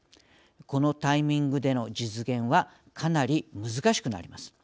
このタイミングでの実現はかなり難しくなります。